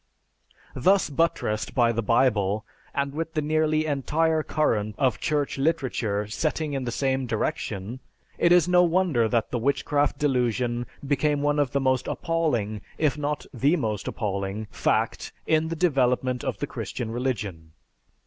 Thus buttressed by the Bible, and with the nearly entire current of Church literature setting in the same direction, it is no wonder that the witchcraft delusion became one of the most appalling, if not the most appalling, fact in the development of the Christian religion.